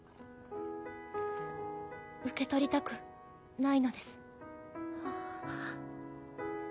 受け取りたくないのです。